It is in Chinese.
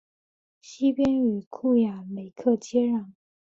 南边与库雅雷克接壤。